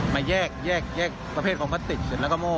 มาแยกประเภทของพลาสติกเสร็จแล้วก็โม้